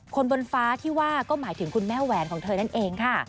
บนฟ้าที่ว่าก็หมายถึงคุณแม่แหวนของเธอนั่นเองค่ะ